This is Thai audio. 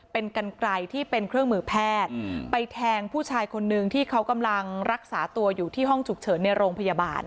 เป็นกันไกลที่เป็นเครื่องมือแพทย์ไปแทงผู้ชายคนนึงที่เขากำลังรักษาตัวอยู่ที่ห้องฉุกเฉินในโรงพยาบาล